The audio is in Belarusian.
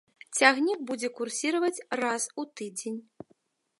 Цягнік будзе курсіраваць раз у тыдзень.